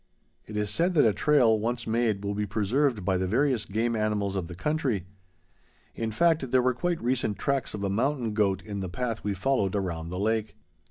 It is said that a trail, once made, will be preserved by the various game animals of the country. In fact, there were quite recent tracks of a mountain goat in the path we followed around the lake.